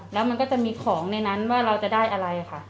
แล้วมันก็จะมีของในนั้นว่าเราจะได้อะไรค่ะ